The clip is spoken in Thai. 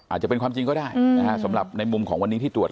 อาจจะเป็นความจริงก็ได้นะฮะสำหรับในมุมของวันนี้ที่ตรวจ